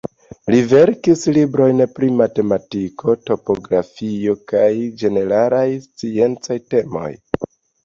Li verkis librojn pri matematiko, topografio kaj ĝeneralaj sciencaj temoj.